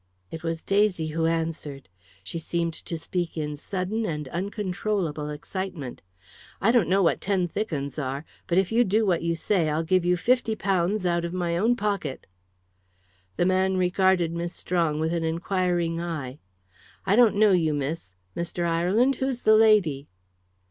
It was Daisy who answered. She seemed to speak in sudden and uncontrollable excitement. "I don't know what ten thick 'uns are, but if you do what you say I'll give you fifty pounds out of my own pocket." The man regarded Miss Strong with an inquiring eye. "I don't know you, miss. Mr. Ireland, who's the lady?"